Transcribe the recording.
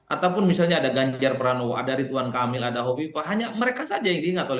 ataupun misalnya ada ganjar peranowa ada ritualan kamil ada hobi hanya mereka saja yang diingat oleh bu